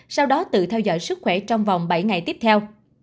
sau đó tự theo dõi sức khỏe trong vòng bảy ngày tiếp theo